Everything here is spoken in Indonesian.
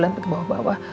lantai ke bawah bawah